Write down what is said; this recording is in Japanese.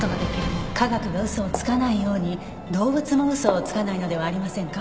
科学が嘘をつかないように動物も嘘をつかないのではありませんか？